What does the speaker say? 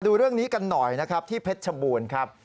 ดูเรื่องนี้กันหน่อยนะครับที่เพชรชบูรณ์ครับ